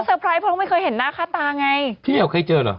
สวัสดีค่ะข้าวใส่ไข่สดใหม่เยอะสวัสดีค่ะ